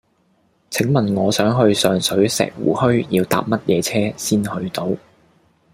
請問我想去上水石湖墟要搭乜嘢車先去到